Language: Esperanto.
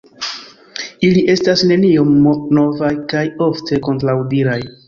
Ili estas neniom novaj kaj ofte kontraŭdiraj.